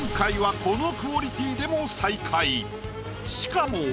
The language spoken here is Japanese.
しかも。